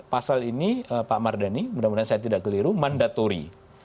pasal ini pak mardhani mudah mudahan saya tidak keliru mandatori